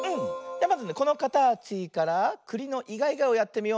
じゃあまずねこのかたちからくりのイガイガをやってみよう。